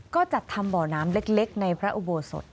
ก็จัดทำบ่อน้ำเล็กในพระอุโบสถ